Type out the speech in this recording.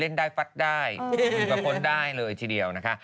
เล่นได้ฟัดได้ผลได้เลยทีเดียวนะคะ